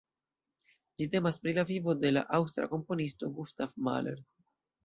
Ĝi temas pri la vivo de la aŭstra komponisto Gustav Mahler.